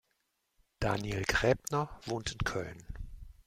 Daniel Gräbner wohnt in Köln.